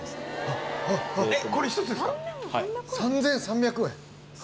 ３３００円。